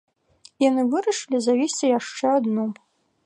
І яны вырашылі завесці яшчэ адну.